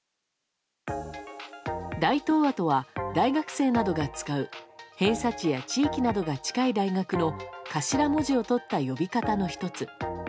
大東亜とは、大学生などが使う偏差値や地域などが近い大学の頭文字をとった呼び方の１つ。